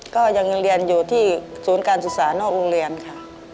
ก็ยังเรียนอยู่ที่ศูนย์การศึกษานอกโรงเรียนค่ะ